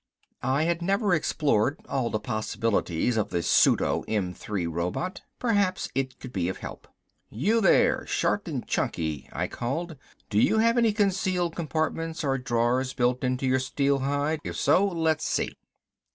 I had never explored all the possibilities of the pseudo M 3 robot, perhaps it could be of help. "You there, short and chunky," I called. "Do you have any concealed compartments or drawers built into your steel hide? If so, let's see."